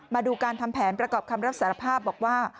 มาดูการทำแผนประกอบคำรับสารภาพบอกว่า